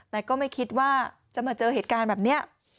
แต่ก็ไม่คิดว่าจะมาเจอเหตุการณ์แบบนี้